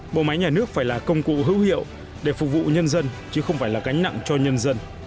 bộ máy nhà nước phải là công cụ hữu hiệu để phục vụ nhân dân chứ không phải là cánh nặng cho nhân dân